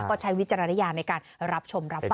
ก็ใช้วิจารณญาณในการรับชมรับฟัง